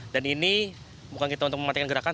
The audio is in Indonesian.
dan ini bukan kita untuk mematikan gerakan